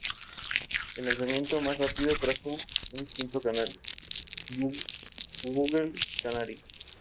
El lanzamiento más rápido trajo un quinto canal: Google Canary.